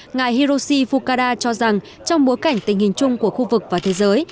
ngài hiroshi fukada cho rằng trong bối cảnh tình hình chung của khu vực và thế giới